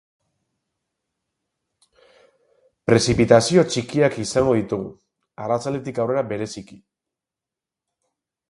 Prezipitazio txikiak izango ditugu, arratsaldetik aurrera bereziki.